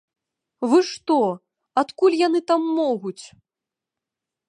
Вы што, адкуль яны там могуць?